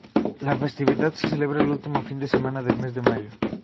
La festividad se celebra el último fin de semana del mes de mayo.